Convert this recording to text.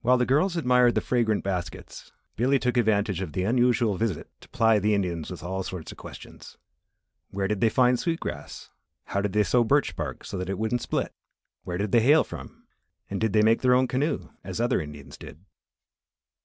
While the girls admired the fragrant baskets, Billy took advantage of the unusual visit to ply the Indians with all sorts of questions. Where did they find sweet grass; how they sewed birch bark so that it wouldn't split; where did they hail from, and did they make their own canoe, as other Indians did.